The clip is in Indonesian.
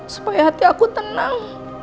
supaya hati aku tenang